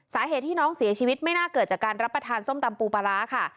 สาเหตุที่น้องเสียชีวิตไม่น่าเกิดจากการรับประทานส้มตำปูปลาร้าค่ะ